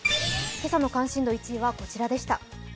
今朝の関心度１位はこちらでした。